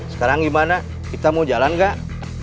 sekarang gimana kita mau jalan gak